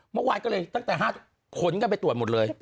เมื่อวานก็เลยตั้งแต่๕ขนกันไปตรวจหมดเลย